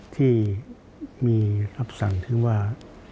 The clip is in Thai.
ที่มีรับสั่งถึงว่า